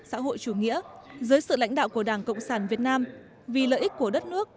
xã hội chủ nghĩa dưới sự lãnh đạo của đảng cộng sản việt nam vì lợi ích của đất nước